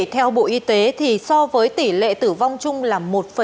theo bộ y tế so với tỷ lệ tử vong chung là một bốn